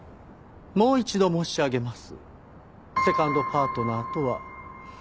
もう一度申し上げます。